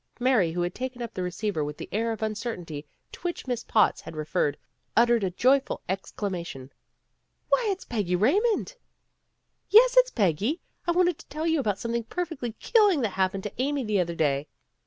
Mary, who had taken up the receiver with the air of uncertainty to which Miss Potts had referred, uttered a joyful exclamation. "Why, it's Peggy Eaymond!" "Yes, it's Peggy. I wanted to tell you about something perfectly killing that happened to Amy the other day."